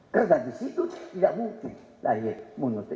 karena di situ tidak muncul lahir munyut islam